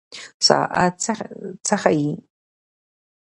ساعت څه ښيي؟